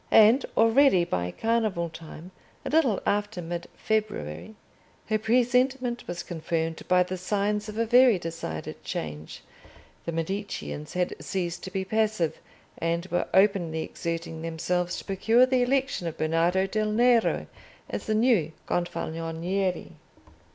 And already by Carnival time, a little after mid February, her presentiment was confirmed by the signs of a very decided change: the Mediceans had ceased to be passive, and were openly exerting themselves to procure the election of Bernardo del Nero as the new Gonfaloniere.